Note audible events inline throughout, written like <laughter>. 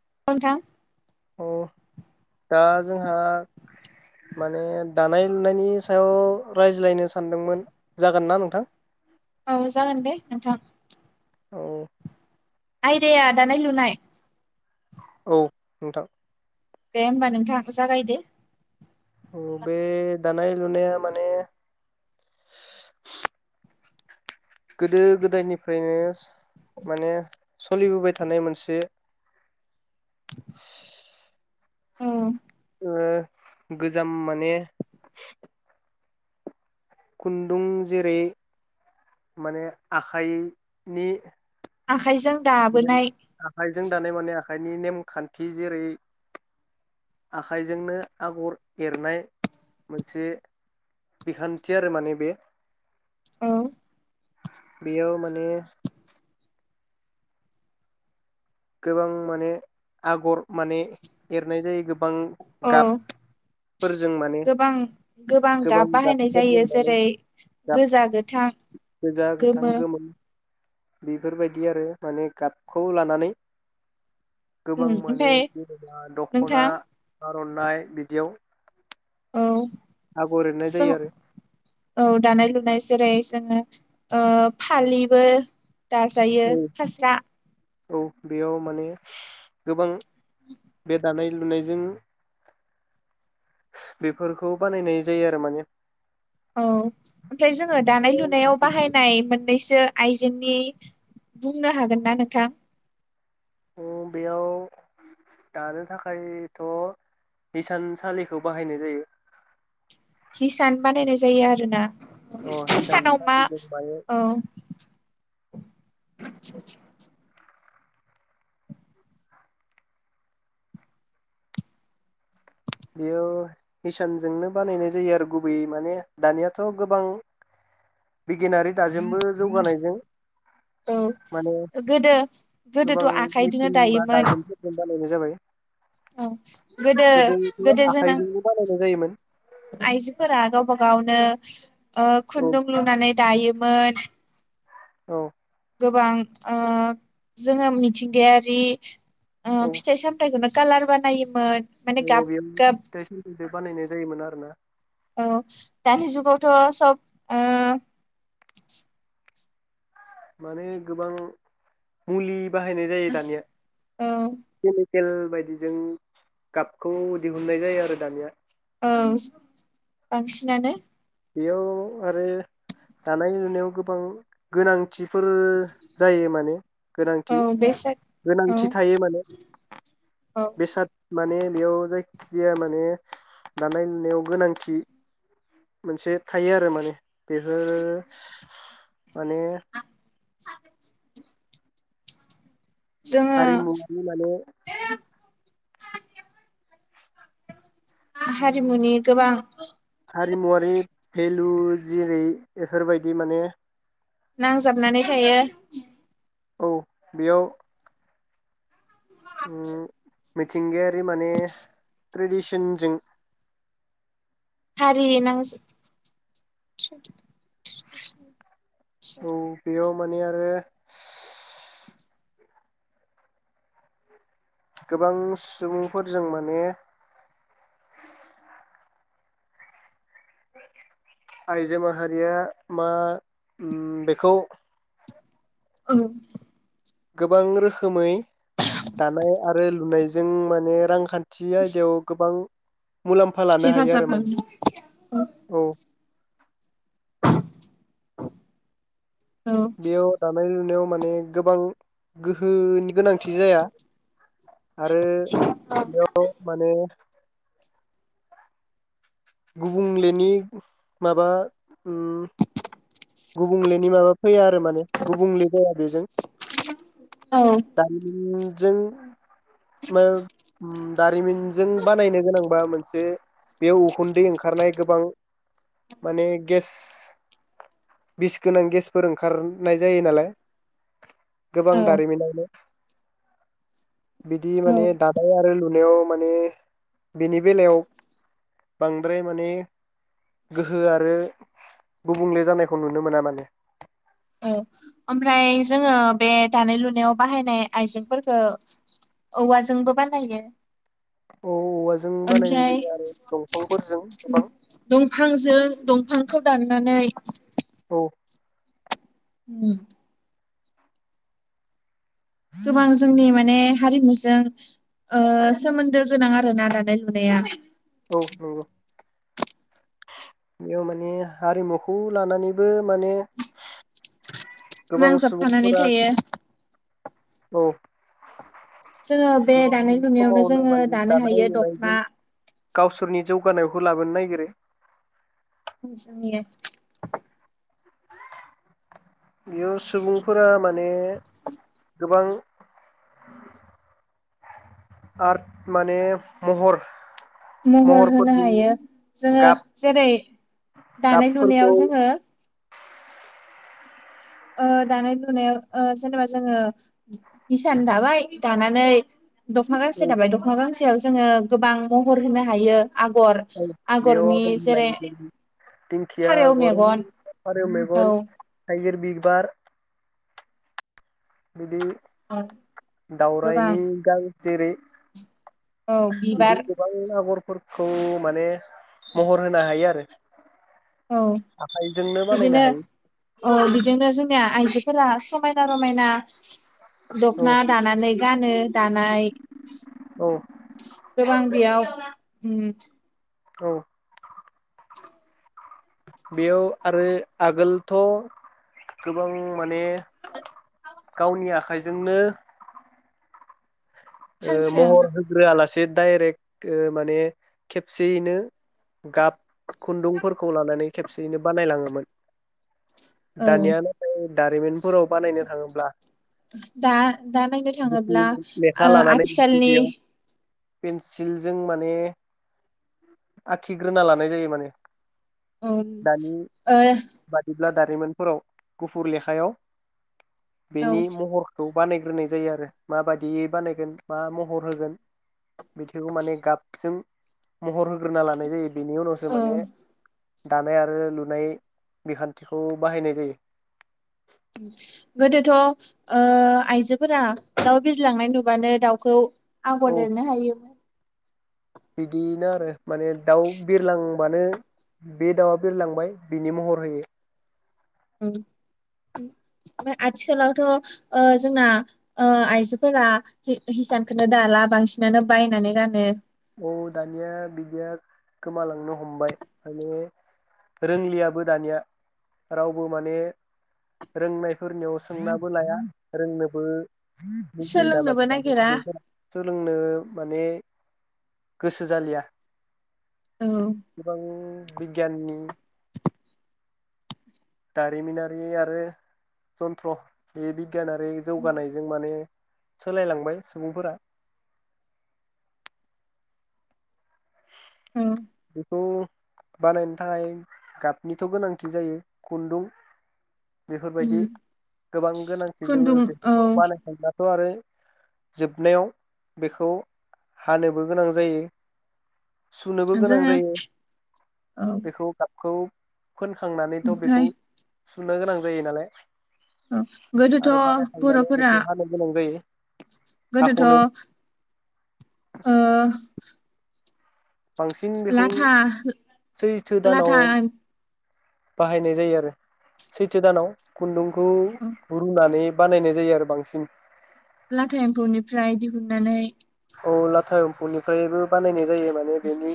<unintelligible> औ दा जोंहा माने दानाय लुनायनि सायाव रायज्लायनो सानदोंमोन जागोन ना नोंथां। औ जागोन दे नोंथां। औ आयदाया दानाय-लुनाय औ नोंथां। दे होमबा नोंथां जागायदो। औ बे दानाय लुनाया माने गोदो गोदायनिफ्रायनो माने सलिबोबाय थानाय मोनसे उम ओ गोजाम माने खुन्दुं जेरै माने आखाइनि आखाइजों <unintelligible> दाबोनाय आखाइजों दानाय माने आखा आखाइनि नेमखान्थि जेरै आखाइजोंनो आगर एरनाय मोनसे बिखान्थि आरो माने बे औ बेयाव माने गोबां माने आगर माने एरनाय जायो गोब औ माने गोबां गोबां गाब बाहायनाय गाबफोरजों जायो माने जेरै गाब गोजा गोथां गोजा गोथां गोमो गोमोन बेफोरबायदि आरो माने गाबखौ लानानै गोबां उम माने ओमफ्राय जेनेबा नोंथां दख'ना आर'नाइ बिदियाव औ आगर एरनाय स जायो आरो औ दानाय लुनाय जेरै दोङो ओ फालिबो दाजायो औ फास्रा औ बेयाव माने गोबां बे दानाय लुनायजों बेफोरखौ बानायनाय जायो आरो माने औ ओमफ्राय जोङो दानाय लुनायाव बाहायनाय मोननैसो आइजेंनि बुंनो हागोनना नोंथां उम बेयाव दानो थाखायथ' बिसानसालिखौ बाहायनाय जायो हिसान बानायनाय जायो आरो ना अ हिसानाव मा हिसानसालिजों माने औ <unintelligible> बेयो हिसानजोंनो बानायनाय जायो आरो गुबैयै माने दानियाथ' गोबां बिगियानारि दाजेमबो जौगानायजों औ माने गोदो गोदोथ' आखाइजोंनो दायोमोन नैबे जाबाय औ गोदो गोदो जोंना आखाइजोंनो बानायनाय जादों होजायोमोन आइजोफोरा गावबा गावनो औ औ खुनदुं लुनानै दायोमोन औ गोबां ओ जोङो मिथिंगायारि ओ औ फिथाइ सामथाइखोनो कालार बानायोमोन माने औ गाब बेयाव गाब फिथाइ सामथाइजों बानायनाय जायोमोन आरोना औ दानि जुगावथ' सब ओ माने गोबां मुलि बाहायनाय जायो दानिया औ केल बायदिजों गाबखौ दिहुननाय जायो आरो दानिया औ बांसिनानो बेयाव आरो दानाय लुनायाव गोबां गोनां थिफोर जायो माने औ गोनांथि बेसाद औ गोनांथि थायो माने औ बेसाद माने बेयाव जायखिजाया माने दानाय लुनायाव गोनांथि मोनसे थायो आरो माने बेफोर माने जोङो हारिमुनि माने हारिमुनि गोबां हारिमुवारि भेलु जेरै बेफोरबायदि माने नांजाबनानै थायो औ बेयाव उम मिथिंगायारि माने ट्रेडिसनजों हारि नां <unintelligible> औ बेयाव माने आरो गोबां सुबुंफोरजों माने आइजो माहारिया मा उम बेखौ औ गोबां रोखोमै दानाय आरो लुनायजों माने रांखान थि आयदायाव गोबां मुलाम्फा लानो हायो आरो हेफाजाब माने औ औ औ बेयाव दानाय लुनायाव माने गोबां गोहोनि गोनांथि जाया आरो बेयाव माने गुबुंलेनि माबा उम गुबुंलेनि माबा फैया आरो माने गुबुंले जाया बेजों औ दारिमिननि जों उम दारिमिनजों बानायनो गोनांबा मोनसे बेयाव उखुनदै ओंखारनाय गोबां माने गेस बिसगोनां गेसफोर ओंखारनाय जायोनालाय गोबां औ दारिमिनावनो बिदि माने दानाय आरो लुनायाव माने बेनि बेलायाव बांद्राय माने गोहो आरो गुबुंले जानाय खौ नुनो मोना माने औ आमफ्राय जोङो बे दानाय लुनायाव बाहायनाय आइजेंफोरखौ औवाजोंबो बानायो औ औवाजों बानायनाय ओमफ्राय जायो आरो दंफांफोरजों गोबां दंफांजों दंफां खौ दाननानै औ उम गोबां जोंनि माने हारिमुजों ओ सोमोन्दो गोनां आरोना दानाय लुनाया औ नंगौ बेयाव माने हारिमुखौ लानानैबो माने गोबां नांजाबफानानै सुबुंफोरा थायो औ जोङो बे गोबां दानाय लुनायावनो समावनो जोङो माने दानो दानाय हायो दखना लुनायजों गावसोरनि जौगानायखौ लाबोनो नायगिरो उम जोंनि बेयाव सुबुंफोरा मा ने गोबां आर्ट माने महर महर होनो महरफोरजों हायो जोङो गाब जेरै दानाय गाबफोरखौ लुनायाव जोङो ओ दानाय लुनायाव ओ जेनेबा जोङो हिसान दाबाय दानानै दख'ना गांसे दाबाय दख'ना गांसे याव जोङो गोबां महर होनो हायो आगर औ बेयाव आगरनि जेरै आगरनि दिंखिया फारौ आगर मेगन फारौ औ मेगन थाइगिर बिबार बिदि औ गोबां दावरायनि गां जेरै औ बिबार बिदि गोबां आगरफो फोरखौ माने महर होनो हायो आरो औ आखाइजोंनो बानायनो बिदिनो हायो औ बिजोंनो जोंनिया आइजोफोरा समायना रमायना औ दखना दानानै गानो दानाय औ गोबां बेयाव उम औ बेयाव आरो आगोलथ' गोबां माने गावनि आखाइजोंनो ओ खानसेयाव महर होग्रोआलासे दाइरेक्ट माने खेबसेयैनो गाब खुन्दुंफोरखौ लानानै खेबसेयैनो बानायलाङोमोन औ दानिया नाथाय दारिमिनफोराव बानायनो थाङोब्ला दा-दा नायनो गुफुर थाङोब्ला लेखा ओ लानानै आथिखालनि बेयाव पेन्सिलजों माने आखिग्रोना लानाय जायो माने उम ओ ब्ला दारिमिनफोराव गुफुर लेखायाव औ बेनि महरखौ बानायग्रोनाय जायो आरो मा बायदियै बानाय गोन बा मा महर होगोन <unintelligible> खौ माने गाबजों महर होग्रोना लानाय जायो बिनि उनावसो ओ माने दानाय आरो लुनाय बिखान्थिखौ बाहायनाय जायो गोदोथ' ओ आइजोफोरा दाउ बिरलांनाय नुबानो दाउखौ औ आगद एरनो हायो मोन बिदिनो आरो माने दाउ बिरलांबानो बे दाउआ बिरलांबाय बिनि महर होयो ओमफ्राय आथिखालावथ' ओ जोंना ओ आइजोफोरा हिसानखौनो दाला बांसिनानो बायनानै गानो औ दानिया बिदिया गोमालांनो हमबाय माने रोंलियाबो दानिया रावबो माने रोंनायफोरनियाव सोंनाबो लाया रोंनोबो <unintelligible> सोलोंनोबो दानि नागिरा सुबुंफोरा सोलोंनो माने गोसो जालिया औ गोबां बिगियाननि दारिमिनारि आरो जन्थ्र बे बि गियानारि जौगानायजों माने सोलायलांबाय सुबुंफोरा औ बेखौ बानायनो थाखाय गाबनिथ' गोनांथि जायो खुन्दुं बेफोरबायदि उम गोबां गोनांथिजों खुन्दुं लोगोसे औ बेखौ बानायफिनब्लाथ' आरो जोबनायाव बेखौ हानोबो गोनां जायो सुनोबो गोनां जोङो जायो औ बेखौ गाबखौ फोनखांनानैथ' बेखौ ओमफ्राय सुनो गोनां जायो नालाय औ आरो गोदोथ' बानायखांनानै बर'फोरा बेखौ हानो गोनां जायो हाख'नो गोदोथ' <inaudible> बांसिन बेखौ लाथा सैथो लाथा दानाव एम- बाहायनाय जायो आरो सैथो दानाव खुनदुं खौ रुनानै बानायनाय जायो आरो बांसिन लाथा एम्फौनिफ्राय दिहुननानै औ लाथा एम्फौनिफ्रायबो बानायनाय जायो माने बेनि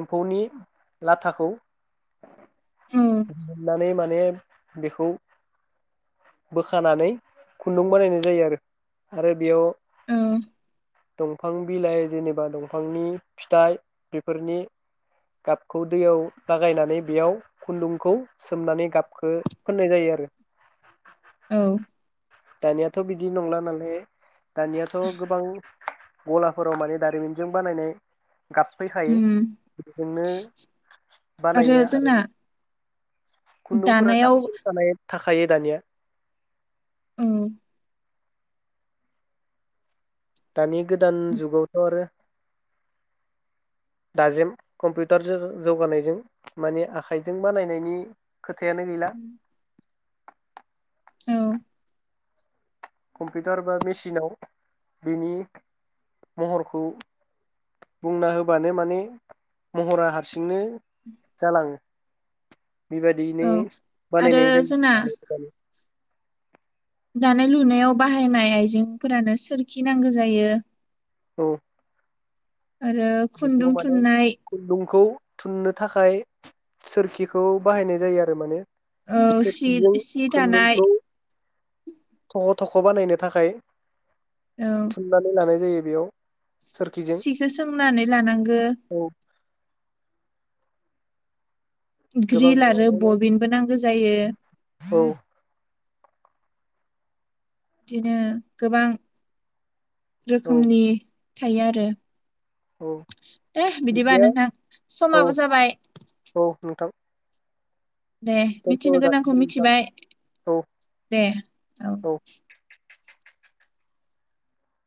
एम्फौनि लाथाखौ औ जिरनानै माने माने बेखौ बोखानानै खुनदुं बानायनाय जायो आरो आरो बेयाव औ दंफां बिलाइ जेनेबा दंफांनि फिथाइ बेफोरनि गाबखौ दैयाव लाागायनानै बेयाव खुन्दुंखौ सोमनानै गाबखो फोननाय जायो आरो औ दानियाथ' बिदि नंला नालाय दानियाथ' गोबां गलाफोराव माने दारिमिनजों बानायनाय गाब फैखायो उम बेजोंनो बानायो आरो खुनदुंफोरा दानायाव <unintelligible> थाखायो दानिया औ दानि गोदान जुगावथ' आरो दाजेम कम्पिउटारजों जौगानायजों माने आखाइजों बानायनायनि खोथायानो गैला औ कम्पिउटार बा मेसिनाव बिनि महरखौ बुंना होबानो माने महरा हारसिं बिदिनो जालाङो बेबायदियैनो औ आरो बानायनाय जायो जोंना आरोना नोंथां दानाय लुनायाव बाहायनाय आइजेंफोरानो सोरखि नांगौ जायो औ आरो बेखौ खुनदुं माने थुननाय खुन्दुंखौ थुननो थाखाय सोरखिखौ बाहायनाय जायो आरो माने औ सि सोरखिजों सि दानाय खुन्दुंखौ थख' थख' बानायनो थाखाय थुननानै लानाय जायो बेयाव सोरखिजों सिखो सोंनानै लानांगो औ गोबां ग्रिल आरो बबिनबो नांगो जायो औ बिदिनो गोबां औ रोखोमनि थायो आरो औ दे बिदिबा बिदिया नोंथां औ समाबो जाबाय औ नोंथां दे दोनथ' मिथिनो गोनांखौ जासिगोन नोंथां मिथिबाय औ दे औ <unintelligible>